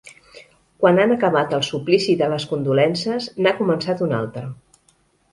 Quan ha acabat el suplici de les condolences n'ha començat un altre.